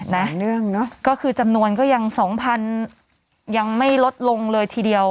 น่ะคือจำนวนก็ยัง๒๐๐๐รายยังไม่ลดลงเลยทีเดียว